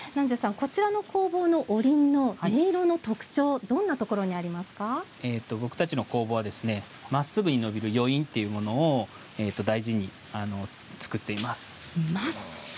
こちらの工房のおりんの音色の特徴は僕たちの工房はまっすぐに伸びる余韻というものを大事にしています。